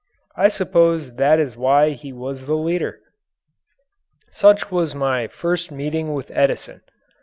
I suppose that is why he was the leader. Such was my first meeting with Edison.